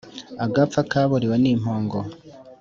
Agapfa kabuliwe ni impongo.